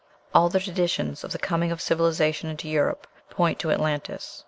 All the traditions of the coming of civilization into Europe point to Atlantis.